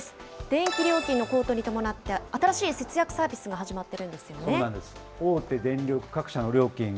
電気料金の高騰に伴って、新しい節約サービスが始まっているんですよね。